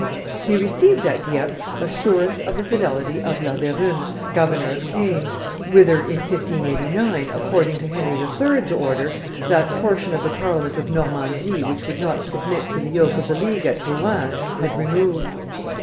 He received at Dieppe assurance of the fidelity of La Verune, governor of Caen, whither, in 1589, according to Henry III.'s order, that portion of the Parliament of Normandy which would not submit to the yoke of the League at Rouen, had removed.